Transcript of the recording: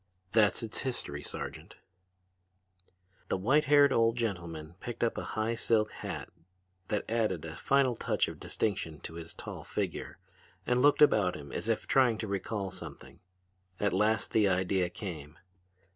That's its history, Sergeant." The white haired old gentleman picked up the high silk hat that added a final touch of distinction to his tall figure, and looked about him as if trying to recall something. At last the idea came.